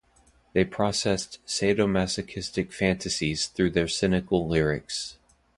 They processed sadomasochistic fantasies through their cynical lyrics.